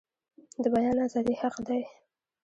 د بیان ازادي حق دی